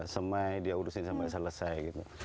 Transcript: semai dia urusin sampai selesai gitu